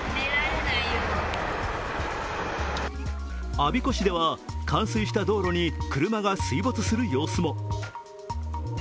我孫子市では冠水した道路に車が水没する様子も。